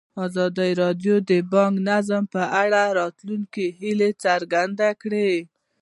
ازادي راډیو د بانکي نظام په اړه د راتلونکي هیلې څرګندې کړې.